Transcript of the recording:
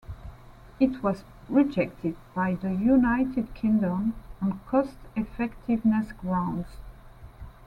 It was rejected by the United Kingdom on "cost effectiveness grounds".